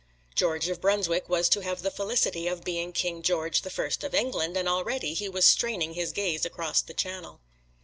George of Brunswick was to have the felicity of being King George the First of England, and already he was straining his gaze across the Channel.